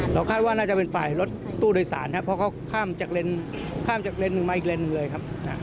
คาดว่าน่าจะเป็นฝ่ายรถตู้โดยสารครับเพราะเขาข้ามจากข้ามจากเลนส์หนึ่งมาอีกเลนสหนึ่งเลยครับ